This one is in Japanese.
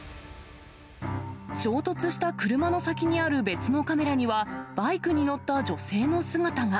衝突した車の先にある別のカメラには、バイクに乗った女性の姿が。